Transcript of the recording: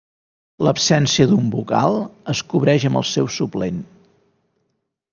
L'absència d'un vocal es cobreix amb el seu suplent.